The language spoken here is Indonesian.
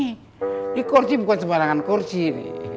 ini kursi bukan sebarangan kursi nih